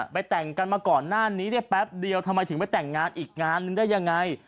แต่งกันมาก่อนหน้านี้ได้แป๊บเดียวทำไมถึงไปแต่งงานอีกงานนึงได้ยังไง